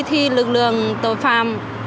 thì lực lượng tội phạm